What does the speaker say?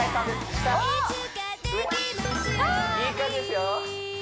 下上いい感じですよ